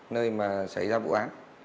nơi mà xảy ra vụ án